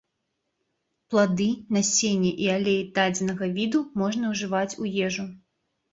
Плады, насенне і алей дадзенага віду можна ўжываць у ежу.